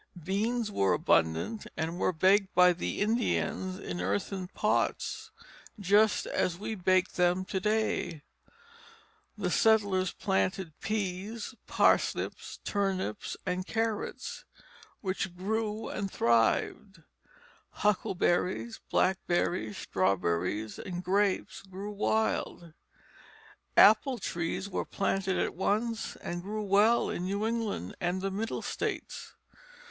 Beans were abundant, and were baked by the Indians in earthen pots just as we bake them to day. The settlers planted peas, parsnips, turnips, and carrots, which grew and thrived. Huckleberries, blackberries, strawberries, and grapes grew wild. Apple trees were planted at once, and grew well in New England and the Middle states.